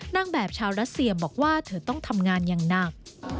นางแบบชาวรัสเซียบอกว่าเธอต้องทำงานอย่างหนัก